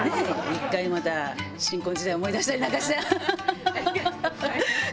１回また新婚時代を思い出したりなんかして。